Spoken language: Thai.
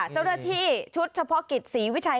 เจ้าหน้าที่ชุดเฉพาะกิจศรีวิชัย